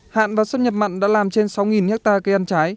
hạn và xâm nhập mặn đã làm trên sáu hectare